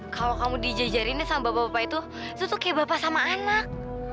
kalau kamu dijajarinnya sama bapak bapak itu itu tuh kayak bapak sama anak